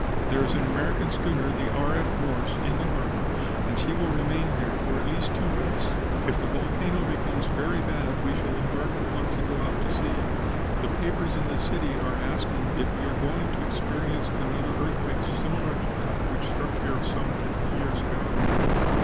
There is an American schooner, the R. F. Morse, in the harbor, and she will remain here for at least two weeks. If the volcano becomes very bad we shall embark at once and go out to sea. The papers in this city are asking if we are going to experience another earthquake similar to that which struck here some fifty years ago."